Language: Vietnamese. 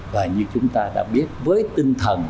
và như chúng ta đã biết với tinh thần